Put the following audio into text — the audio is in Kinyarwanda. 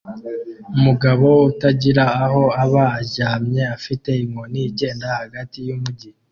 Umugabo utagira aho aba aryamye afite inkoni igenda hagati yumujyi